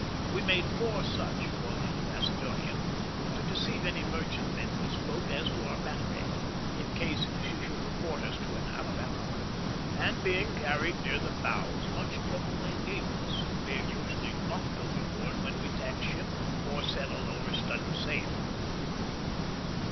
We made four such for the Macedonian, to deceive any merchant men we spoke as to our battery, in case she should report us to an Alabama; and, being carried near the bows, much trouble they gave us, being usually knocked overboard when we tacked ship, or set a lower studding sail.